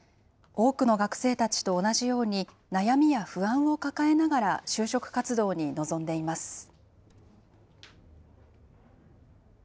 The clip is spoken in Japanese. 多くの学生たちと同じように、悩みや不安を抱えながら就職活動に臨んでいます。